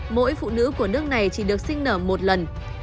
mỗi phụ nữ của nước này chỉ được sinh nở một lần